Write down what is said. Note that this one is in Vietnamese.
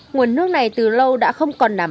nguồn nước này từ lâu đã không còn nằm